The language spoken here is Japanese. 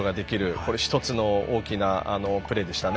これ一つの大きなプレーでしたね。